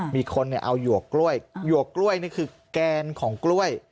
มีคนเอาหยวกกล้วยหยวกกล้วยนี่คือแกนของกล้วย